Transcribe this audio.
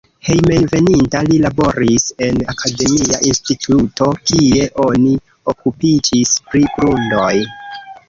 Hejmenveninta li laboris en akademia instituto, kie oni okupiĝis pri grundoj.